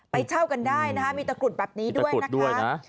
เช่ากันได้นะคะมีตะกรุดแบบนี้ด้วยนะคะ